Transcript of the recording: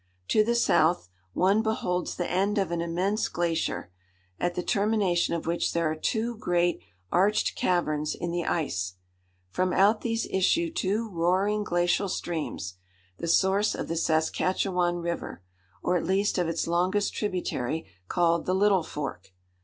To the south, one beholds the end of an immense glacier, at the termination of which there are two great arched caverns in the ice. From out these issue two roaring glacial streams, the source of the Saskatchewan River, or at least of its longest tributary called the Little Fork.